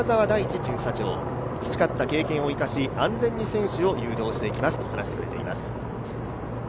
巡査長、培った経験を生かし、安全に選手を誘導していきますと話しています。